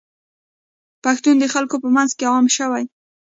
پوهنتون د خلکو په منځ عام شوی.